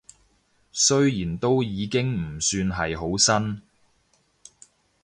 雖然都已經唔算係好新